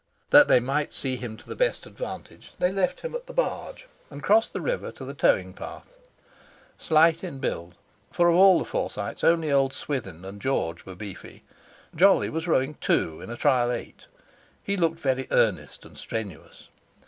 That they might see him to the best advantage they left him at the Barge and crossed the river to the towing path. Slight in build—for of all the Forsytes only old Swithin and George were beefy—Jolly was rowing "Two" in a trial eight. He looked very earnest and strenuous.